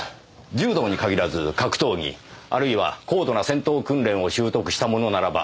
柔道に限らず格闘技あるいは高度な戦闘訓練を習得した者ならば可能でしょう。